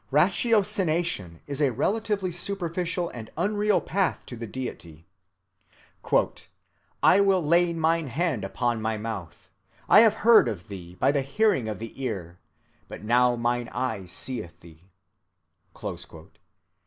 Ratiocination is a relatively superficial and unreal path to the deity: "I will lay mine hand upon my mouth; I have heard of Thee by the hearing of the ear, but now mine eye seeth Thee."